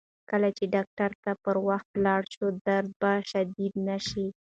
کله چې ډاکتر ته پر وخت ولاړ شو، درد به شدید نه شي.